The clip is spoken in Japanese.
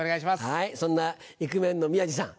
そんなイクメンの宮治さん